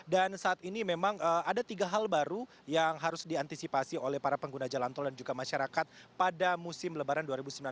dan saat ini memang ada tiga hal baru yang harus diantisipasi oleh para pengguna jalan tol dan juga masyarakat pada musim lebaran dua ribu sembilan belas